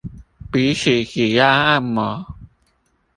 比起指壓按摩